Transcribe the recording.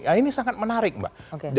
nah ini sangat menarik mbak